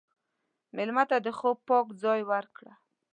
مېلمه ته د خوب پاک ځای ورکړه.